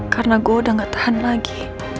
karena gue udah gak tahan lagi